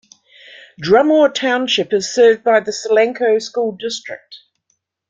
Drumore Township is served by the Solanco School District.